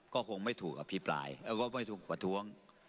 ก็คงไม่ถูกประท้วง